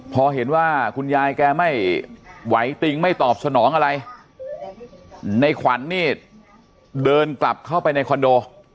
พอเห็นว่าคุณยายแกไม่ไหวติงไม่ตอบสนองอะไรในขวัญนี่เดินกลับเข้าไปในคอนโด